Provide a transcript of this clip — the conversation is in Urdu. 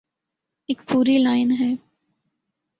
ایک پوری لائن ہے۔